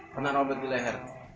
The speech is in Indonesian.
kena obat di leher